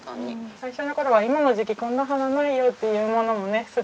最初の頃は今の時期こんな花ないよっていうものもねすっ